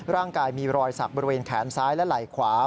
ร่างกายมีรอยสักบริเวณแขนซ้ายและไหล่ขวา